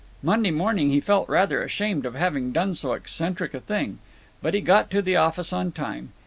Monday morning he felt rather ashamed of having done so eccentric a thing. But he got to the office on time.